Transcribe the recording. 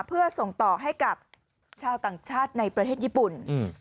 เพื่อส่งต่อให้กับชาวต่างชาติในประเทศญี่ปุ่น